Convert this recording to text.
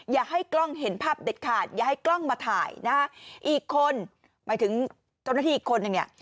อย่าให้กล้องเห็นภาพเด็ดขาดอย่าให้กล้องมาถ่ายนะฮะอีกคนหมายถึงเจ้าหน้าที่อีกคนนึงเนี่ย